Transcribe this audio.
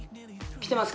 きてます